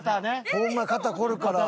ホンマ肩凝るから。